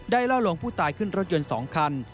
ได้เล่าลงผู้ตายขึ้นรถยนต์สองคัน